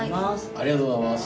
ありがとうございます。